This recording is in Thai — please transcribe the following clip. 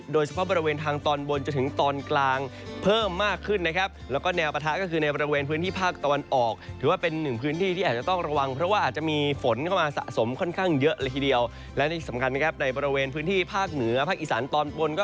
โดยสิ่งที่บริเวณทางตอนบน